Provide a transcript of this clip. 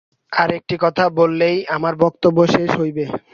আর একটি কথা বলিলেই আমার বক্তব্য শেষ হইবে।